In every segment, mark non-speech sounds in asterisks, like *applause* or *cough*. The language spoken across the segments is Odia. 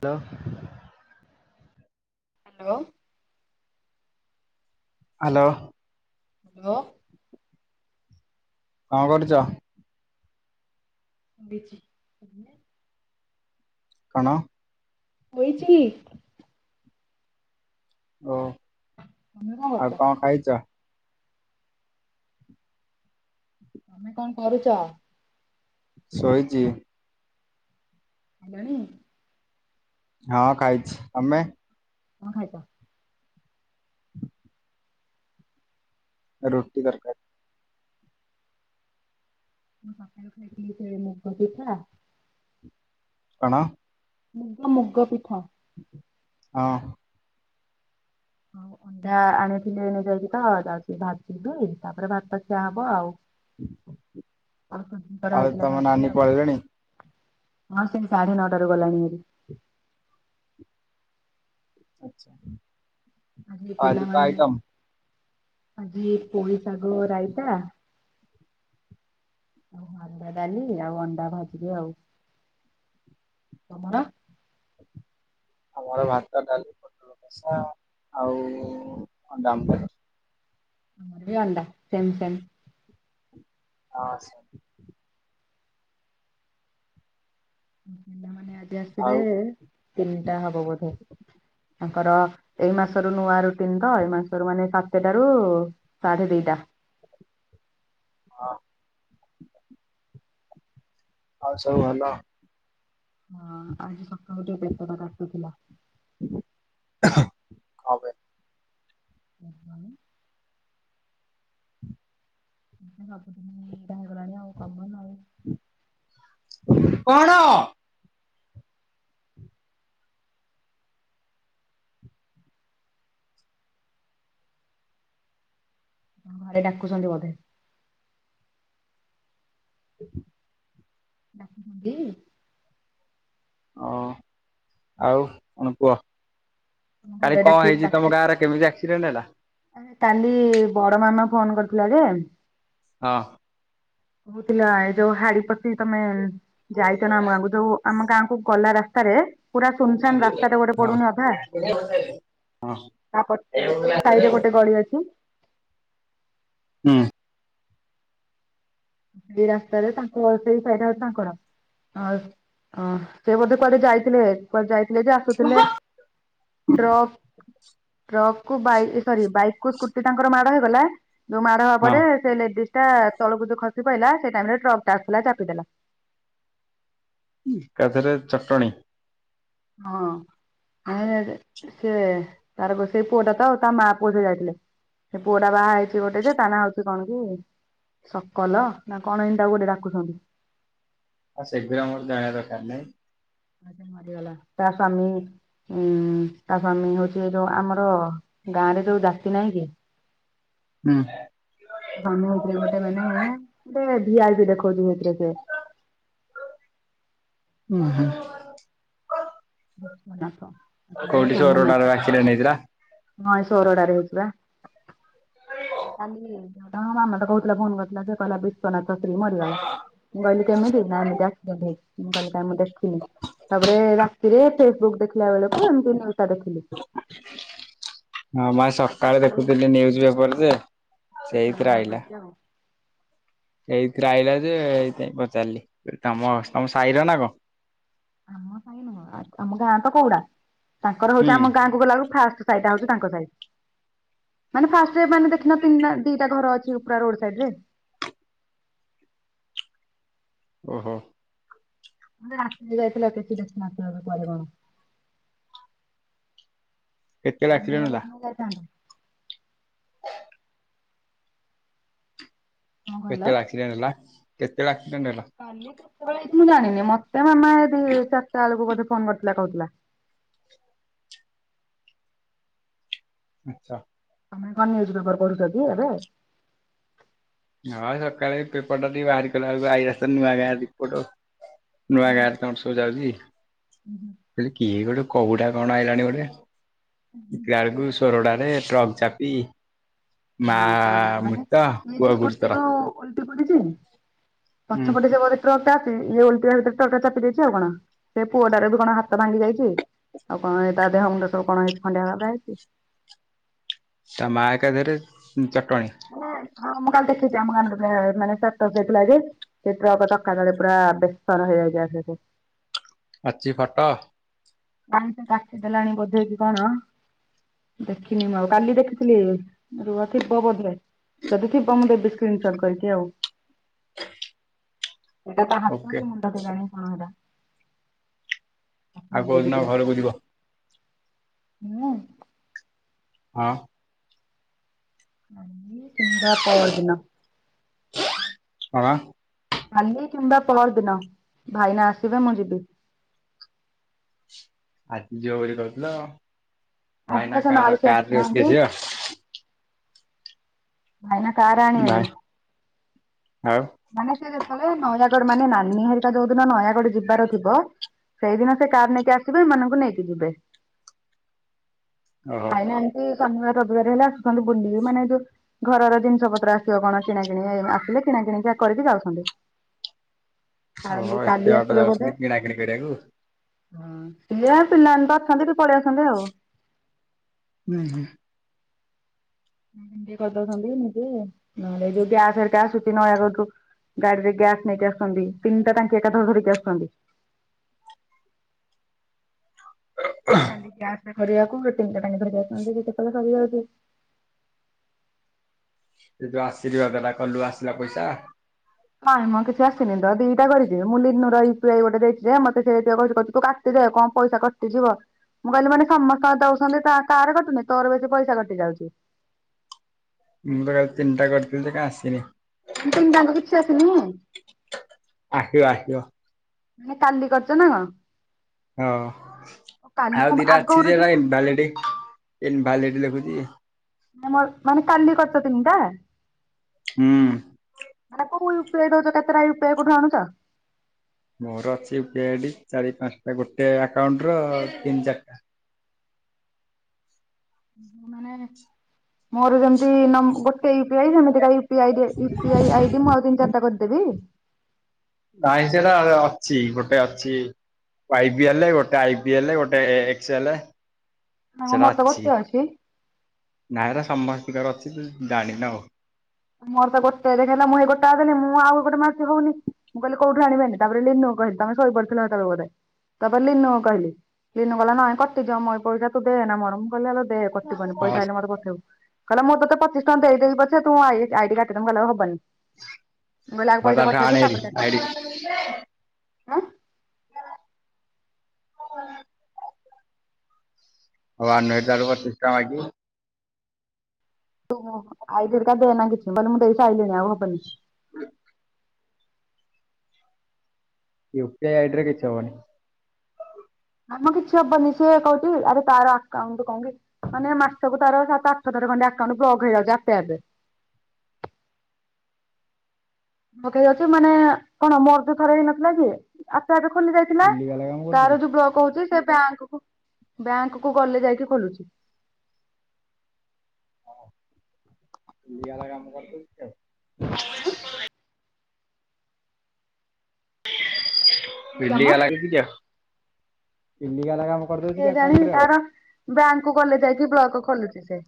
ତ *unintelligible* ହ୍ୟାଲୋ। ହ୍ୟାଲୋ। *inaudible* କଣ କରୁଚ? ସୋଇଛି ତୁମେ? କଣ? ହୋଇଛି କି? ଓ ତମେ କଣ କରୁଛ? ଆଉ କଁ ଖାଇଚ? ତମେ କଣ କରୁଛ? ଶୋଇଛି। ହେଲାଣି? ହଁ ଖାଇଛି ତମେ? କଣ ଖାଇଛ? ରୋଟି ତରକାରୀ। ମୁଁ ସକାଳୁ ଖାଇଥିଲି ସେ ମୁଗ ପିଠା କଣ? ମୁଗ ମୁଗ ପିଠା। ହଁ। ହଉ। ଯା ଆଣିଥିଲି ଏ ନେଇ ଯାଇକି ତ ଯାଉଛି ଭାଯିବି ତାପରେ ଭାତଖିଆ ହବ ଆଉ। ଆଉ ଧରହେଇଥିଲା ତମ ନାନୀ ଖାଇଥିଲି ଆଉ। ପଳେଇଲେଣି ହଁ ସେଇ ସାଢେ ନଅଟାରୁ ଗଲାଣି ହେରି। ଆଛା। ଆଜି ପିଲାମାନେ ଆଜି ପୋଇ ଶାଗ ରାଇତା ଆଉ ହରଡ଼ ଡାଲି ଆଉ ଅଣ୍ଡା ଭାଜିବି ଆଉ ତମର? ଆମର ଭାତ ଡାଲି ପୋଟଳ କଷା ଆଉ ଅଣ୍ଡା ଅମଲେଟ। ଆମର ବି ଅଣ୍ଡା ସେମ ସେମ। ହଁ ସେ ମାନେ ଆଜି ଆଉ ଆସିବେ ତିନିଟା ହବ ବୋଧେ ତାଙ୍କର ଏଇ ମାସ ର ନୂଆ ରୁଟିନ ତ ଏଇ ମାସରୁ ମାନେ ସାତଟାରୁ ସାଢ଼େ ଦିଇଟା। ହଁ। ଆଉ ସବୁ ଭଲ। ହଁ ଆଜି ସକାଳୁ ଯଉ ପେଟ ଟା କାଟୁଥିଲା। ଖା କଣ ପାଇଁ? ତା ସ୍ୱାମୀ। କପଟା କଣଆ ଆଉ କମନ ଆଉ। କଣ? ଘରେ ଡାକୁଛନ୍ତି ବୋଧେ। *inaudible* ରଖିଦେବି। ହଁ ଆଉ କଣ କୁହ କାଲି ଘରେ କଣ ଡାକି ହେଇଛି ତମ ଗାଁରେ? କେମିତି ଆକ୍ସିଡେଣ୍ଟ ହେଲା? ଆ କାଲି ବଡ ମାମା ଫୋନ କରିଥିଲା ଯେ ହଁ। ହଉଥିଲା ଏ ଯୋଉ ହାଡି ପଶି ତମେ ଯାଇଛ ନା ଆମ ଗାଁକୁ ଯୋଉ ଆମ ଗାଁ କୁ ଗଲା ରାସ୍ତାରେ ପୁରା ସୁନସାନ୍ ରାସ୍ତାଟେ ଗୋଟେ ହଁ ପଡୁନି ଅଧା ହଁ ତାପ ସେଇ ସାହିରେ ଗୋଟେ ଗଳି ଅଛି। ହୁଁ। ସେଇ ରାସ୍ତାରେ ତାଙ୍କ ସେଇ ସାଇଟା ହଉଚି ତାଙ୍କର। ଆ ସେ ବୋଧେ କୁଆଡେ ଯାଇଥିଲେ କୁଆଡେ ଯାଇଥିଲେ ଯେ ଆସୁଥିଲେ। ଟ୍ରକ୍ ଟ୍ରକ୍ କୁ ବାଇ ସରି ବାଇକ୍ କୁ ସ୍କୁଟି ତାଙ୍କର ମାଡ ହେଇଗଲା। ଯୋଉ ମାଡ ହବା ହଁ ପରେ ସେ ଲେଡିଜ ଟା ତଳକୁ ଯୋଉ ଖସି ପଇଲା ସେଇ ଟାଇମରେ ଟ୍ରକଟା ଆସୁଥିଲା ଚାପିଦେଲା। ଏକାଥରେ ଚଟଣୀ। ହଁ ମାନେ ଜେ ସେ ତାର ଗୋ ସେଇ ପୁଅଟା ତ ଆଉ ତା ମା ପୁଅ ଯୋଉ ଯାଇଥିଲେ। ସେ ପୁଅଟା ବାହା ହେଇଛି ଗୋଟେ ଯେ ତାନା ହଉଛି କଣ କି ସକଲ ନା କଣ ଏଇନ୍ତି ତାକୁ ଗୋଟେ ଡାକୁଛନ୍ତି। ଆ ସେଗୁରା ମୋର ଜାଣିବା ଦରକାର ନାହିଁ। ହଁ ସେ ମରିଗଲା ତା ସ୍ୱାମୀ ହୁଁ ତା ସ୍ୱାମୀ ହୋଉଛି ଏ ଯୋଉ ଆମର ଗାଁ ରେ ଯୋଉ ଡାକି ନାହିଁ କି? ହୁଁ। ହ ତମେ ହେଇଥିରେ ଗୋଟେ ମାନେ ଗୋଟେ ଭିଆଇପି ଦେଖଉଛି ହେଇଥିରେ ସେ ଉଁ ହୁଁ। ମୋ ନା କ ମୋ ନା କୋଉଠି ସୋମନାଥ ସୋରଡାର ବାକିରେ ନେଇଥିଲା ହଁ ଏଇ ସୋରଡ଼ାରେ ହେଇଥିଲା। କାଲି ତାଙ୍କ ମାମା ତ କହୁ ଥିଲା ଫୋନ କରିଥିଲା ଯେ କହିଲା ବି ଶ୍ୱନାଥ ସ୍ତ୍ରୀ ମରିଗଲା ମୁଁ କହିଲି କେମିତି ନା ଏମିତି ଆକ୍ସିଡେଣ୍ଟ ହେଇଚି। ମୁଁ କହିଲି କାଇଁ ମୁଁ ଦେଖିନି ତାପରେ ରାତିରେ ଫେସବୁକ୍ ଦେଖିଲା ବେଳକୁ ଏମିତି ନ୍ୟୁଜ ଟା ଦେଖିଲି। ହଁ ମୁଁ ଆଜି ସକାଳେ ଦେଖୁଥିଲି ନେଇଯିବା ପରେ ଯେ ସେଇଥିରେ ଆଇଲା। ସେଇଥିରେ ଆଇଲା ଯେ ଏଇଥିପାଇଁ ପଚାରିଲି କହିଲି ତମ ତମ ସାହିର ନା କଣ? ଆମ ସାହି ନୁହଁ ଆମ ଗାଁ ତ କୋଉଡ଼ା ତାଙ୍କର ହୁଁ ହଉଛି ଆମ ଗାଁ କୁ ଗଲାବେଳକୁ ଫାଷ୍ଟ ସାଇଟା ହେଉଛି ତାଙ୍କ ସାହି ମାନେ ଫାଷ୍ଟରେ ମାନେ ଦେଖି ନା ତିନିଟା ଦି ଟା ଘର ଅଛି ଉ ପୁରା ରୋଡ ସାଇଡ ରେ। ଓହୋ। ମୋରି ଆସିଯାଇଥିଲା କ୍ରିତି ଦାସ ମାତ୍ରର ପରିମାଣ। କେତେବେଳେ ଦିନ ଆକ୍ସିଡେଣ୍ଟ ବେଳେ ହେଲା ମୁଁ ଯାଇଥାନ୍ତି। କଣ କହିଲ? କେତବେଳେ ଆକ୍ସିଡେଣ୍ଟ ହେଲା କେତେବେଳେ ଆକ୍ସିଡେଣ୍ଟ ହେଲା? କାଲି କେତେବେଳେ ହେଇଚି ମୁଁ ଜାଣିନି ମତେ ମାମା ଏ ଦି ଚାରିଟା ବେଳକୁ ବୋଧେ ଫୋନ କରିଥିଲା କହୁଥିଲା। ଆଚ୍ଛା। ତମେ କଣ ନ୍ୟୁଜ୍ ପେପର ପଢ଼ୁଚ କି ଏବେ? ହଁ ଏ ସକାଳେ ଏ ପେପର ଟା ଟିକେ ବାହାରି କଲା ବେଳକୁ ଆଇଲା ସ ନୂଆଁ ଗାଁ ରିପୋର୍ଟ। ନୂଆ ଗାଁରେ ତମର ସବୁ ଯାଉଛି? ହୁଁ ହୁଁ। କିହିଲି କିଏ ଗୋଟେ କଉଟା କଣ ଆଇଲାଣି ଗୋଟେ ଦେଖିଲା ବେଳକୁ ସୁ ତୋରଡ଼ାରେ ଟ୍ରକ୍ ଚାପି ମା ମୃତ। ଏଇ ଯୋଉ ସ୍କୁଟିରୁୁ ଓଲ୍ଟି ପଡ଼ିଛି ହୁଁ ପଛ ପଟେ ଯିବ ଦେ ଟ୍ରକଟା ଆସେ ଇଏ ଓଲଟିବା ଭିତରେ ଟ୍ରକ୍ ଟା ଚାପି ଦେଇଛି ଆଉ କଣ ସେ ପୁଅଟାର ବି କଣ ହାତ ଭାଙ୍ଗି ଯାଇଛି। ଆଉ କଣ ହେଇ ତା ଦେହ ମୁଣ୍ଡ ସବୁ କଣ ହେଇଛି ଖଣ୍ଡିଆ ଖାବରା ହେଇଛି। ତା ମା ଏକାଥରେ ହୁଁ ଚଟଣୀ। ମାନେ ହଁ ମୁଁ କାଲି ଦେଖିଛିି ଆମ ଗାଁରୁ *unintelligible* ମାନେ ଚଟ *unintelligible* ହେଇଠି। ସେ ଟ୍ରକ ଚକା ତଳେ ପୁରା ବେସର ହେଇଯାଇଛି ବା‌ ସେଇଠି। ଅଛି ଫଟ? ନାହିଁ ସେ କାଟି ଦେଲାଣି ବୋଧେ କି କଣ। ଦେଖିନି ମୁଁ ଆଉ କାଲି ଦେଖିଥିଲି ରୁହ ଥିବ ବୋଧେ। ଯଦି ଥିବ ମୁଁ ଦେବି ସ୍କ୍ରିନ୍ ସଟ୍ କରିକି ଆଉ ସେଟା ତା ହାତ ଓକେ କଣ। ତ କେଜାଣି କଣ ହେଟା? ଆଉ ହେଇଯାଇଛି କୋଉଦିନ ପୁରା ଘରକୁ ଯିବ? ମୁଁ? ହଁ। କାଲି କିମ୍ବା ପହରଦିନ। ହଁ। କାଲି କିମ୍ବା ପହର ଦିନ ଭାଇନା ଆସିବେ ମୁଁ ଯିବି। ଆଜି ଜିବ ବୋଲି କହୁଥିଲ ଆଜି ତ ଭାଇନା ସେ କାର ମାଉସୀ କାରରେ ଆସିବେ ଆସିନାହାନ୍ତି ଯିବ। ଭାଇନା କାର ଆସିବ ଭାଇ ଆଣିବେନି। ଆଉ ମାନେ ସେ ଯେତେବେଳେ ନୟାଗଡ଼ ମାନେ ନାନୀ ହେରିକା ଯୋଉ ଦିନ ନୟାଗଡ଼ ଯିବାର ଥିବ। ସେଇଦିନ ସେ କାର ନେଇକି ଆସିବେ ଏମାନଙ୍କୁ ନେଇକି ଯିବେ। ଓହୋ ଭାଇନା ଏମିତି ଶନିବାର ରବିବାର ହେଲେ ଆସୁଛନ୍ତି ବୁଲି ମାନେ ଯୋଉ ଘରର ଜିନିଷ ପତ୍ର ଆସିବ କଣ କିଣାକିଣି ଏ ଆସିଲେ କିଣାକିଣି କା କରିକି ଯାଉଛନ୍ତି। କାଲି ଓହୋ କାଲି ଏତେ ବାଟ ଯାଉଛନ୍ତି କିଣାକିଣି କରିବାକୁ। ହୁଁ ସିଏ ପିଲାମାନେ ତ ଅଛନ୍ତି ଟିକେ ପଳେଇ ଆସନ୍ତି ଆଉ। ହୁଁ ହୁଁ। ବୁକଙ୍ଗ ଟିକେ କରିଦଉଛନ୍ତି ନିଜେ ନହେଲେ ଏ ଯୋଉ ଗ୍ୟାସ ଘରିକା ଆସୁଛି ନୟାଗଡ଼ରୁ। ଗାଡି ରେ ଗ୍ୟାସ୍ ନେଇକି ଆସୁଛନ୍ତି ତିନିଟା ଟାଙ୍କି ଏକାଥରେ ଧରିକି ଆସୁଛନ୍ତି। ହ ଖାଲି ଗ୍ୟାସ ରେ କରିବାକୁ ତିନିଟା ଟାଙ୍କି ଧରିକି ଆସୁଛନ୍ତି କେତେବେଳେ ସରି ଯାଉଛି। ସେ ଯୋଉ ଆସିରବାଦ ଟା କଲୁ ଆସିଲା ପଇସା। କାଇଁ ମ କିଛି ଆସିନି ତ ଦିଟା କରିଛି ମୁଁ ଲିନୁ ର ୟୁ ପି ଆ ଇ ଗୋଟେ ଦେଇଛି ଯେ ମତେ ସେ ଯେତିକି କହୁଚି ତୁ କା ସେଇ ଯେ କଁ ପ ଇସା କଟି ଯିବ। ମୁଁ କହିଲି ମାନେ ସମସ୍ତଙ୍କ ଦଉଛନ୍ତି ତ କାରେ କଟୁନି ତୋର ବେଶୀ ପଇସା କଟି ଯାଉଛି। ମୁଁ ତ କାଲି ତିନିଟା କରିଥିଲି ଯେ କାଇଁ ଆସିନି। ମାନେ ତିନିଟା ଆଙ୍କ କିଛି ଆସିନି। ଆସି ଆସିବ। ମାନେ କାଲି କରିଛ ନା କଣ। ହଁ କାଲି ଆଉ ମୁଁ ଦିଇଟା ଅଛି ଆଗରୁ ଯେ ଯୋଉ କଁ ଇନଭାଲିଡି ଇନ୍ଭାଲିଡି ଲେଖୁଚି। ମୁଁ ମୋର ମାନେ କାଲି କରଛ ତିନି ଟା। ହୁଁ। ମାନେ କୋଉ ୟୁପିଆଇ ଦଉଛ କେତେଟା ୟୁପିଆଇ କୋଉଠୁ ଆଣୁଛ। ମୋର ଅଛିି ୟୁପିଆଇଡି ଚାରି ପାଞ୍ଚଟା ଗୋଟେ ଆକାଉଣ୍ଟ ର ତିନି ଚାରିଟା। ମୁଁ ମାନେ ମୋର ଯେମତି ନ ଗୋଟେ ୟୁପିଆଇ ସେମିତି କା U U P ID U P I ID ମୁଁ ଆଉ ତିନ ଚାରିଟା କରିଦବି। ନାଇଁ ସେଟା ଅଲ ଅଛି ଗୋଟେ ଅଛି। ଆବିଏଲ ଗୋଟେ ଆଇ ପିଏଲ ଗୋଟେ ଏକ୍ସେଏଲେ। ନା ସେଟା ମୋର ତ ଅଛି। ଗୋଟେ ନାଇଁ ଏଗୁରା ସମସ୍ତିକର ଅଛି ତୁ ଜାଣିନୁ ଆଉ। ମୋର ତ ଗୋଟେ ଦେଖେଇଲା ମୁଁ ହେ ଗୋଟାଏ ଦେଲିି ମୁଁ ଆଉ ଗୋଟେ ମାରୁଚି ହଉନି। ମୁଁ କହିଲି କୋଉଠୁ ଆଣିବି ଏଇନେ ତାପରେ ଲିନୁ କୁ କହିଲି ତମେ ଶୋଇ ପଡ଼ି ଥିଲେ ସେତେବେଳକୁ ବୋଧେ। ତାପରେ ଲିନୁ କୁ କହିଲି ଲିନୁ କଇଲା ନାଇଁ କଟିଯିବ ମୋଇ ପଇସା ତୁ ଦେନା ମୋର ମୁଁ କହିଲି ଆଲୋ ଦେ। କଟିବନି ପଇସା ହଁ ଆଇଲେ ମତେ ପଠେଇବୁ କିଇଲା ମୁଁ ତତେ ପଚିଶ ଟଙ୍କା ଦେଇେ ଦେବି ପଛେ ତୁ ମୋ ଆଇ ଆଇଡି କାଟି ଦେ ମୁ କଇଲି ଆଉ ହବନି ମୁଁ କଇଲି ଆଗେ ହଉ ପଇସା ତାଠୁ ପଠେଇ ଆଣେ ଦେ ହେରି ତାପରେ କାଟି ଆଇଡି ଆଁ। ହଁ ଆଉ ଆଣୁନୁ ହାରି ତାଠୁ ପଚିଶ ଟଙ୍କା ମାଗି। ତୁ ମୋ ଆଇଡି କାଟି ଦେନା କିଛି ମୁଁ କହିଲି। ମୁଁ ଦେଇ ସାଇ ଲିଣି ଆଉ ହବନି। ୟୁପି ଆଇ ଆଇଡି ରେ କିଛି ହବନି। ନାମ କିଛି ହବନି ସିଏ କଉଚି ଆରେ ତାର ଆକାଉଣ୍ଟ କଣ କି। ମାନେ ମାସକୁ ତାର ସାତ ଆଠ ଥର ଖଣ୍ଡେ ଆକାଉଣ୍ଟ ବ୍ଲକ ହେଇଯାଉଛି ଆପେ ଆପେ। ବ୍ଲକ ହେଇଯାଉଛି ମାନେ କଣ ମୋର ବି ଥରେ ହେଇ ନଥିଲା କି। ଆପେ ଆପେ ଖୋଲି ଯାଇଥିଲା ଇଲିଗାଲ କାମ କରୁଚୁ କି? ତାର ଯୋଉ ବ୍ଲକ ହଉଛି। ସେ ବ୍ୟାଙ୍କ କୁ କୁ ବ୍ୟାଙ୍କ କ କୁ ଗଲେ ଯାଇକି ଖୋଲୁଛି। *unintelligible* ଆଁ। କି କାମ ଇଲିଗାଲ ଅଛି କିଛି ଆଉ ଇଲିଗାଲ କାମ। କରିଦଉଚି କେ କି ଜାଣି ଆକାଉଣ୍ଟରେ ଆଉ। ତାର ବ୍ୟାଙ୍କ କୁ ଗଲେ ଯାଇକି ବ୍ଲକ ଖୋଲୁଛି ସେ।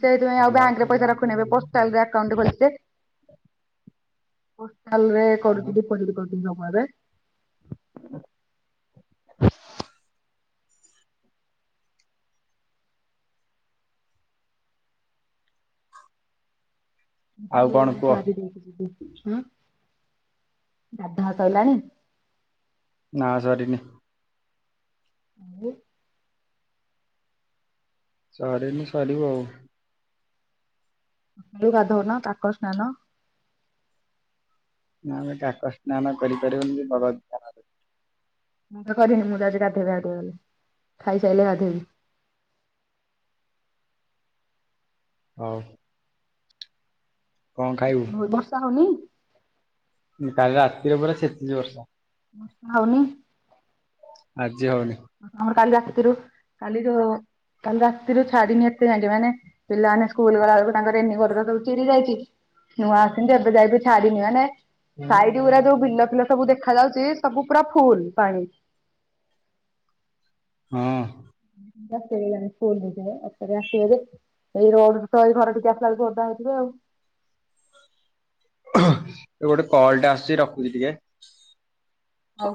ସେଇଥିପାଇଁ ଆଉ ବ୍ୟାଙ୍କ ରେ ବ୍ଲକରେ ପଇସା ଯାହା ରଖୁନି ଟିକେ ଏବେ ରହିବ ଆଉ। ପୋଷ୍ଟାଲ ରେ ଆକାଉଣ୍ଟ ଟେ ଖୋଲିଚି ଯେ। ପୋଷ୍ଟାଲ ରେ କରୁଛି ଡିପୋଜିଟ୍ କରୁଚି ବା ଏବେ। ଆଉ ମୁଁ କଣ ଏଇନା କୁହ ସାରି ଦେଇକି ଜିବି ଆଁ ଗାଧା ସଇଲାଣି। ନା ସରିନି। *unintelligible* ସରିନି ସରିବ ଆଉ। ଜଲଦି ଗାଧଉନ କାକ ସ୍ନାନ। ନା ଆମେ କାକ ସ୍ନାନ କରିପାରିବୁନି *unintelligible* ମୁଁ ତ କରିନି ମୁଁ ତ ଆଜି ଗାଧୋଇବି ଗଧୋଇ ଗଲେ ଖାଇସାରିଲେ ଗାଧୋଇବି। ହଉ। କଣ ଖାଇବୁ ହ ବର୍ଷା ହଉନି। କାଲି ରାତିରେ ପୁରା ଛେଚିଛି ବର୍ଷା। ବର୍ଷା ହଉନି। ଆଜି ହଉନି। ଆମର କାଲି ରାତିରୁ କାଲି ଯୋଉ କାଲି ରାତିରୁ ଛାଡିନି ଏତେ ଯାତେ ଯାକେ ମାନେ ପିଲାମାନେ ସ୍କୁଲ ଗଲା ବେଳକୁ ତାଙ୍କ ରେନିକୋର୍ଟ ତ ସବୁ ଚିରି ଯାଇଛି। ନୂଆ ଆସିିଥିଲି ଯେ ଏବେ ଯାଏ ବି ଛାଡ଼ିିନି ମାନେ ସାଇଡ ଗୁରା ଯୋଉ ବିଲଫିଲ ସବୁ ଦେଖା ଯାଉଛି ସବୁ ପୁରା ଫୁଲ ପାଣି। ହଁ। *unintelligible* ଅଟରେ ଆସିବ ଯେ ଏଇ ରୋଡରୁ ତ ଏଇ ଘର ଟିକି ଆସିଲା ବେଳକୁ ଓଦା ହେଇଥିବ ଆଉ। ଗୋଟେ କଲ ଟା ଆସୁଛି ରଖୁଛି ଟିକେ। ହଉ।